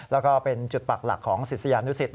แล้วก็เป็นจุดปักหลักของศิษยานุสิต